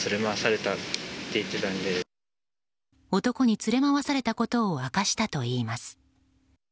男に連れ回されたことを明かしたといいます。